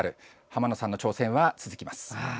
濱野さんの挑戦は続きます。